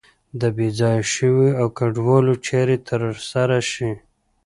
د بې ځایه شویو او کډوالو چارې تر سره شي.